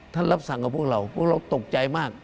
รับสั่งกับพวกเราพวกเราตกใจมาก